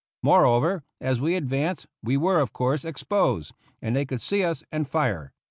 Moreover, as we advanced we were, of course, exposed, and they could see us and fire.